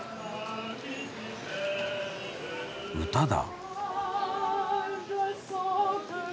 ・・歌だ。